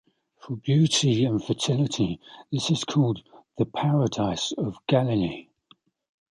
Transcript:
For beauty and fertility this is called "the Paradise of Galilee".